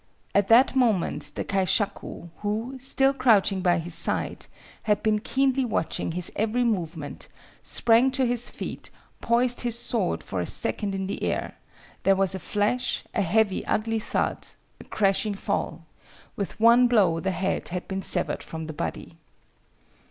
At that moment the kaishaku, who, still crouching by his side, had been keenly watching his every movement, sprang to his feet, poised his sword for a second in the air; there was a flash, a heavy, ugly thud, a crashing fall; with one blow the head had been severed from the body.